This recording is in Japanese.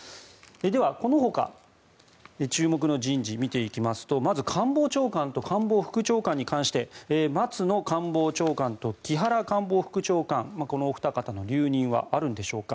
では、このほか注目の人事を見ていきますとまず官房長官と官房副長官に関して松野官房長官と木原官房副長官このお二方の留任はあるんでしょうか。